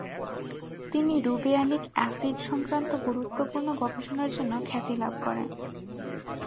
তিনি রুবিয়ানিক অ্যাসিড সংক্রান্ত গুরুত্বপূর্ণ গবেষণার জন্য খ্যাতি লাভ করেন।